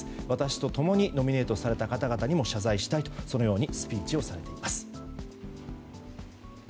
私と共にノミネートされた方々にも謝罪したいとスピーチされています。